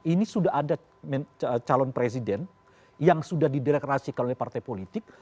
ini sudah ada calon presiden yang sudah diderekrasikan oleh partai politik